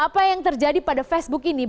apa yang terjadi pada facebook ini